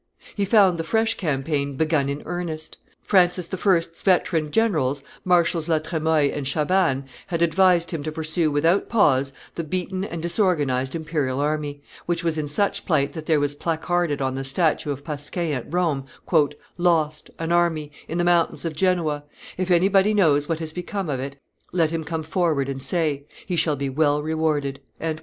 He found the fresh campaign begun in earnest. Francis I.'s veteran generals, Marshals La Tremoille and Chabannes, had advised him to pursue without pause the beaten and disorganized imperial army, which was in such plight that there was placarded on the statue of Pasquin at Rome, "Lost an army in the mountains of Genoa; if anybody knows what has become of it, let him come forward and say: he shall be well rewarded."